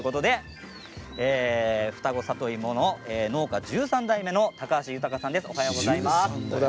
二子さといもの農家１３代目の高橋豊さんです。